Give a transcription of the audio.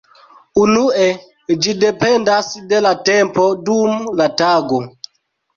Unue ĝi dependas de la tempo dum la tago.